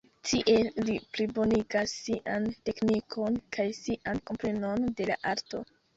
Tiel ili plibonigas sian teknikon kaj sian komprenon de la arto.